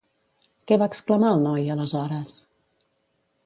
Què va exclamar el noi, aleshores?